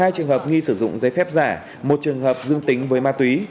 hai trường hợp nghi sử dụng giấy phép giả một trường hợp dương tính với ma túy